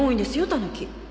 タヌキ。